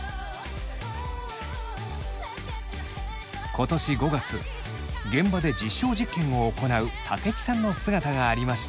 今年５月現場で実証実験を行う武智さんの姿がありました。